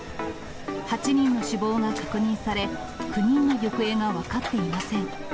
８人の死亡が確認され、９人の行方が分かっていません。